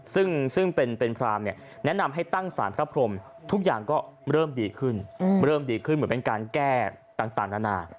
ซึ่งแนะนำให้ตั้งสารพระพรหมทุกอย่างก็เริ่มดีขึ้น